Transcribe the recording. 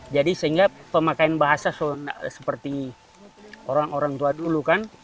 jadi sehingga pemakaian bahasa sudah seperti orang orang tua dulu kan